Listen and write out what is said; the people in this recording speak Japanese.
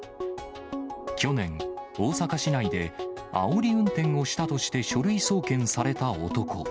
去年、大阪市内であおり運転をしたとして書類送検された男。